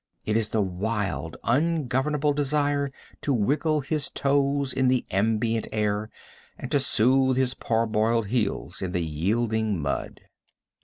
It is the wild, ungovernable desire to wiggle his toes in the ambient air, and to soothe his parboiled heels in the yielding mud.